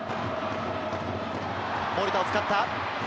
守田を使った！